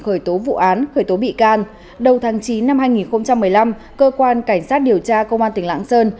khởi tố vụ án khởi tố bị can đầu tháng chín năm hai nghìn một mươi năm cơ quan cảnh sát điều tra công an tỉnh lạng sơn